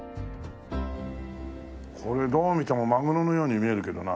これどう見てもマグロのように見えるけどな。